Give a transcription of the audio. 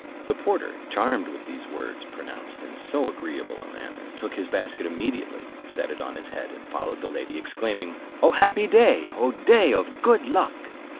The porter, charmed with these words, pronounced in so agreeable a manner, took his basket immediately, set it on his head, and followed the lady, exclaiming, "O happy day, O day of good luck!"